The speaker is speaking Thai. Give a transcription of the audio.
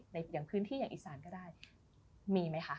อย่างพื้นที่อย่างอีสานก็ได้มีไหมคะ